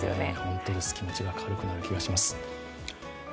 本当です、気持ちが軽くなる気がします。